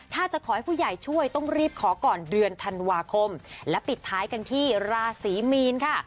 ถ้าจะขอให้ผู้ใหญ่ช่วยต้องรีบขอก่อนเดือนธันวาคมและปิดท้ายกันที่ราศีมีนค่ะ